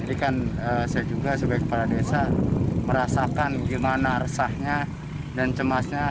jadi kan saya juga sebagai kepala desa merasakan gimana resahnya dan cemasnya